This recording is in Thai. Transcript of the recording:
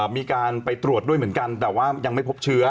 มีการไปตรวจด้วยเหมือนกันแต่ว่ายังไม่พบเชื้อ